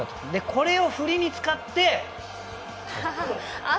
これを振りに使って。